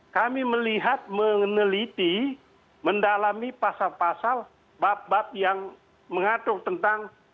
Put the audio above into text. kami melihat meneliti mendalami pasal pasal bab bab yang mengatur tentang